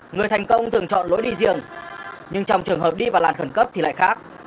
người thành công từng chọn lối đi riêng nhưng trong trường hợp đi vào làn khẩn cấp thì lại khác